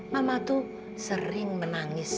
mama tuh sering menangis